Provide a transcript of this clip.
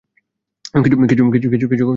কিছু খাওনি পরাণের বৌ?